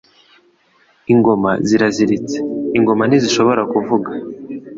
Ingoma ziraziritse Ingoma ntizishobora kuvuga